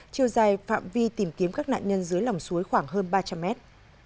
chiều dài phạm vi tìm kiếm các nạn nhân dưới lòng suối khoảng hơn ba trăm linh mét